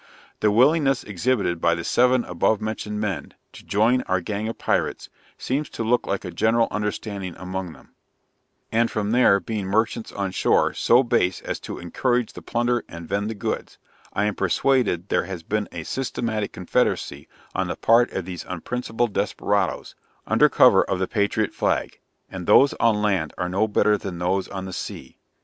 The willingness exhibited by the seven above mentioned men, to join our gang of pirates, seems to look like a general understanding among them; and from there being merchants on shore so base as to encourage the plunder and vend the goods, I am persuaded there has been a systematic confederacy on the part of these unprincipled desperadoes, under cover of the patriot flag; and those on land are no better than those on the sea.